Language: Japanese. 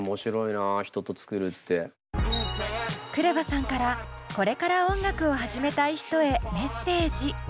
ＫＲＥＶＡさんからこれから音楽を始めたい人へメッセージ。